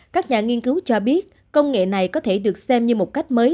các nhà nghiên cứu cho biết công nghệ này có thể được xem như một cách mới